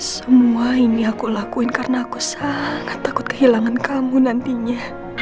semua ini aku lakuin karena aku sangat takut kehilangan kamu nantinya